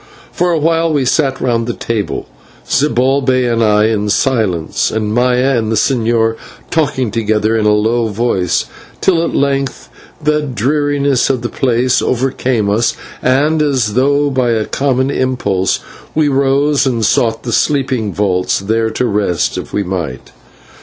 For a while we sat round the table, Zibalbay and I in silence, and Maya and the señor talking together in a low voice, till at length the dreariness of the place overcame us, and, as though by a common impulse, we rose and sought the sleeping vaults, there to rest, if we might.